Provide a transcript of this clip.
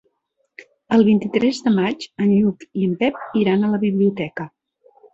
El vint-i-tres de maig en Lluc i en Pep iran a la biblioteca.